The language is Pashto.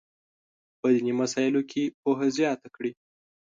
په دیني مسایلو کې پوهه زیاته کړي.